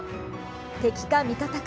敵か味方か